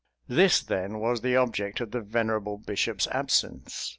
This, then, was the object of the venerable bishop's absence.